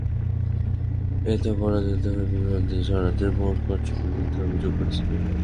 এতেও পরাজিত হয়ে বিভ্রান্তি ছড়াতে ভোট কারচুপির মিথ্যা অভিযোগ করছেন লিয়াকত।